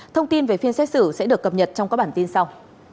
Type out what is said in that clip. thông tin về phiên xét xử sẽ được cập nhật trong các bản tin sau